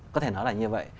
có thể nói là như vậy